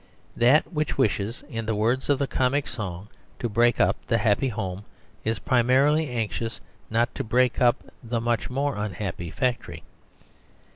That which wishes, in the words of the comic song, to break up the happy home, is primarily anxious not to break up the much more unhappy factory.